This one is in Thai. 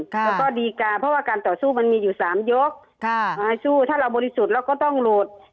แล้วก็ดีการเพราะว่าการต่อสู้มันมีอยู่๓ยกสู้ถ้าเราบริสุทธิ์เราก็ต้องหลุด